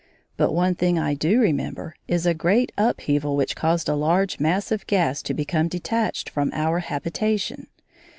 But one thing I do remember is a great upheaval which caused a large mass of gas to become detached from our habitation.